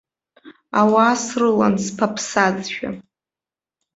Ауаа срылан сԥаԥсазшәа.